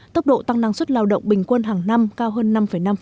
tốc độ tăng năng suất lao động bình quân hàng năm cao hơn năm năm